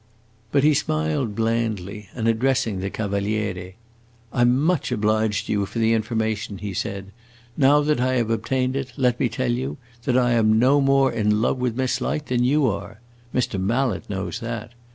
But he smiled blandly, and addressing the Cavaliere, "I 'm much obliged to you for the information," he said. "Now that I have obtained it, let me tell you that I am no more in love with Miss Light than you are. Mr. Mallet knows that.